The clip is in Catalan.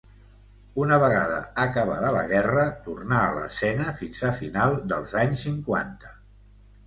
Una vegada acabada la guerra, tornà a l'escena fins a finals dels anys cinquanta.